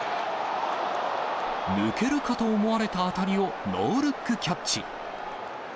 抜けるかと思われた当たりをノールックキャッチ。